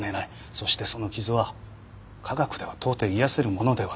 そしてその傷は科学では到底癒やせるものではない。